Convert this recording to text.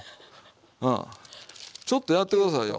ちょっとやって下さいよ。